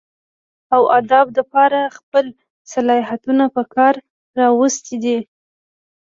اوادب دپاره خپل صلاحيتونه پکار راوستي دي